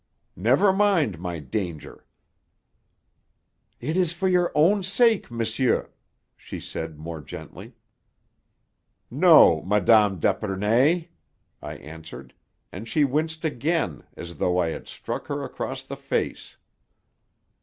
"Never mind my danger." "It is for your own sake, monsieur," she said more gently. "No, Mme. d'Epernay," I answered; and she winced again, as though I had struck her across the face.